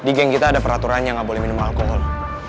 di geng kita ada peraturannya nggak boleh minum alkohol